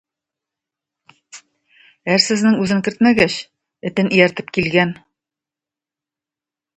Әрсезнең үзен кертмәгәч, этен ияртеп килгән.